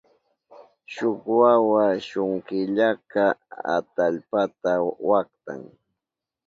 Shuk wawa shunkillaka atallpata waktan.